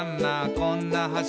こんな橋」